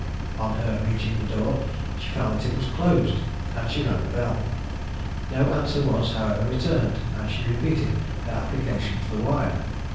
On her reaching the door, she found that it was closed, and she rang the bell. No answer was, however, returned and she repeated her application to the wire.